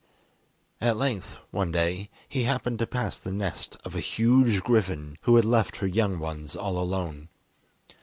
At length, one day, he happened to pass the nest of a huge griffin, who had left her young ones all alone.